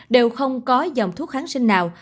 đều không có dòng thuốc kháng sinh nào